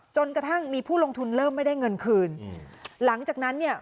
จนกระทั่งมีผู้ลงทุนเริ่มไม่ได้เงินคืนอืมหลังจากนั้นเนี่ย